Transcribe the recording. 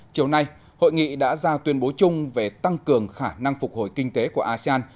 chiều nay hội nghị đã ra tuyên bố chung về tăng cường khả năng phục hồi kinh tế của asean